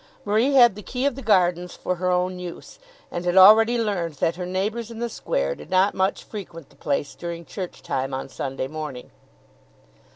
Marie had the key of the gardens for her own use; and had already learned that her neighbours in the square did not much frequent the place during church time on Sunday morning.